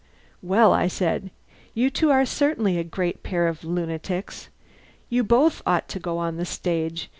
"Well," I said, "you two are certainly a great pair of lunatics. You both ought to go on the stage.